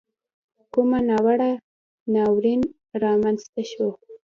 کومه ناوړه ناورین را مینځته نه سو.